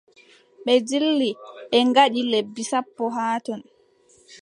Ɓe ndilli, ɓe ngaɗi lebbi sappo haa ton.